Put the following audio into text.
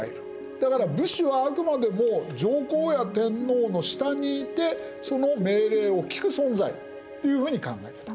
だから武士はあくまでも上皇や天皇の下にいてその命令を聞く存在というふうに考えてた。